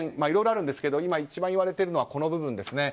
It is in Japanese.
いろいろあるんですが今、一番いわれているのがこの部分。